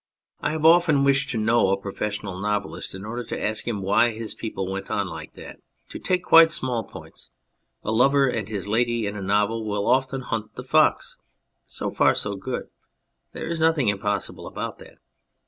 I have often wished to know a professional novelist in order to ask him why his people went on like that. To take quite small points. A lover and his lady in a novel will often hunt the fox. So far so good. There is nothing impossible about that.